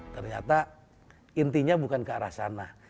ternyata intinya bukan ke arah sana